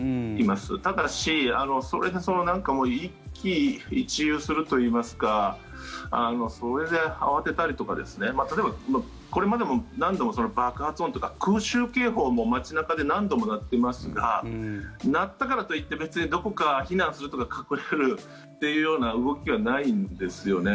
ただし、それで一喜一憂するといいますかそれで慌てたりとか例えば、これまでも何度も爆発音とか空襲警報も街中で何度も鳴っていますが鳴ったからといって別にどこかに避難するとか隠れるという動きはないんですね。